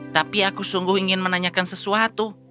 tapi aku sungguh ingin menanyakan sesuatu